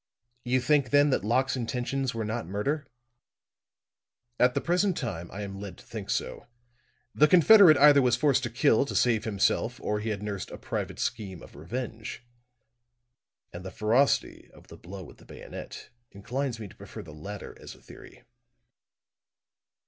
"You think, then, that Locke's intentions were not murder?" "At the present time I am led to think so. The confederate either was forced to kill to save himself, or he had nursed a private scheme of revenge. And the ferocity of the blow with the bayonet inclines me to prefer the latter as a theory."